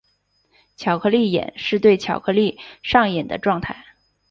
巧克力瘾是指对巧克力上瘾的状态。